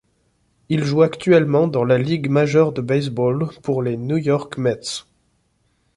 Il joue actuellement dans la Ligue majeure de baseball pour les New York Mets.